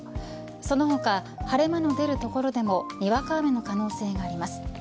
その他、晴れ間の出る所でもにわか雨の可能性があります。